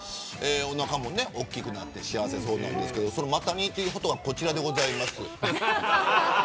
おなかも大きくなって幸せそうですけどそのマタニティフォトがこちらです。